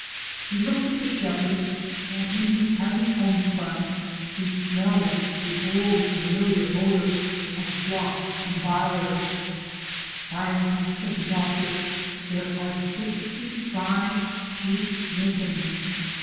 He looked at the shepherd, and in his heavy homespun he smelled the old familiar odor of flock and byre. "Byron," said the doctor, "there are sixty five sheep missing.